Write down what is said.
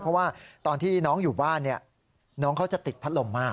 เพราะว่าตอนที่น้องอยู่บ้านน้องเขาจะติดพัดลมมาก